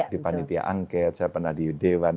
di panitia angket saya pernah di dewan